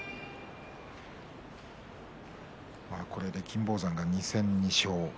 これで金峰山が２戦２勝。